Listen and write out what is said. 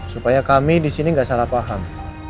supaya kami disini gak salah paham